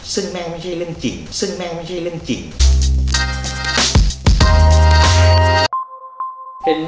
ซึ่งแม่ไม่ใช่เรื่องจริงซึ่งแม่ไม่ใช่เรื่องจริง